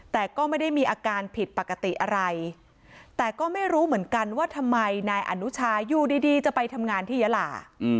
แต่ก็ไม่ได้มีอาการผิดปกติอะไรแต่ก็ไม่รู้เหมือนกันว่าทำไมนายอนุชาอยู่ดีจะไปทำงานที่ยาลา